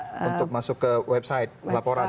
untuk masuk ke website laporan